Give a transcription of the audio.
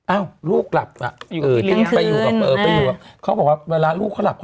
อ้าวลูกหลับอ่ะเขาบอกว่าเวลาลูกเขาหลับ